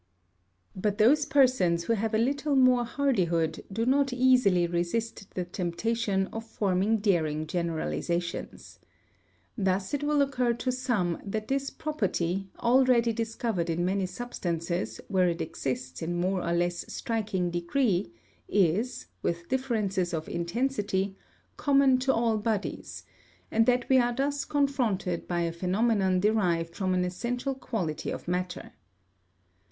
But those persons who have a little more hardihood do not easily resist the temptation of forming daring generalisations. Thus it will occur to some that this property, already discovered in many substances where it exists in more or less striking degree, is, with differences of intensity, common to all bodies, and that we are thus confronted by a phenomenon derived from an essential quality of matter.